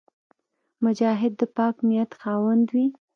مجاهد د پاک نیت خاوند وي.